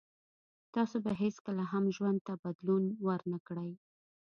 تاسو به هیڅکله هم ژوند ته بدلون ور نه کړی